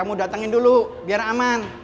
mau datangin dulu biar aman